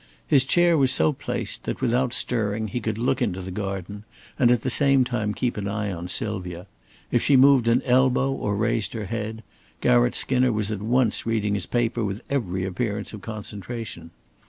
His chair was so placed that, without stirring, he could look into the garden and at the same time keep an eye on Sylvia; if she moved an elbow or raised her head, Garratt Skinner was at once reading his paper with every appearance of concentration.